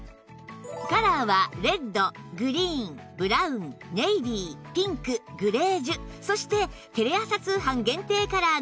カラーはレッドグリーンブラウンネイビーピンクグレージュそしてテレ朝通販限定カラーのラベンダークリームの